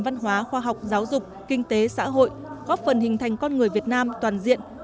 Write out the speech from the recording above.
văn hóa khoa học giáo dục kinh tế xã hội góp phần hình thành con người việt nam toàn diện